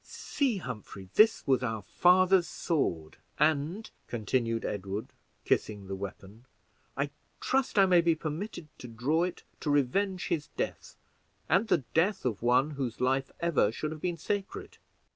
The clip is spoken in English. "See, Humphrey, this was our father's sword; and," continued Edward, kissing the weapon, "I trust I may be permitted to draw it to revenge his death, and the death of one whose life ever should have been sacred."